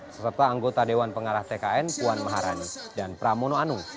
serta anggota dewan pengarah tkn puan maharani dan pramono anung